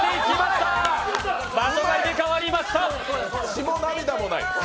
血も涙もない。